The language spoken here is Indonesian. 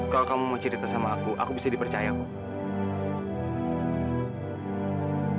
kalau kamu mau cerita sama aku aku bisa dipercayai